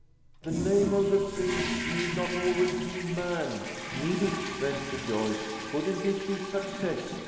"The name of the prince need not always be Man, need it?" ventured Joyce. "Couldn't it be Success?